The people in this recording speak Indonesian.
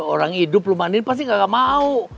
orang hidup lu mandiin pasti gak mau